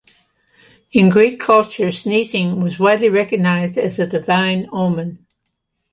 In Greek culture, sneezing was widely recognized as a divine omen.